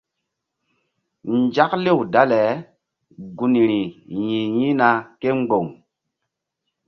Nzaklew dale gunri yi̧h yi̧hna kémboŋ.